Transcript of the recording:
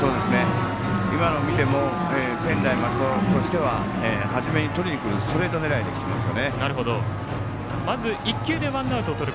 今のを見ても専大松戸としてははじめにとりにくるストレート狙いできていますよね。